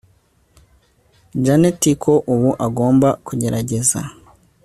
Janet ko ubu agomba kugerageza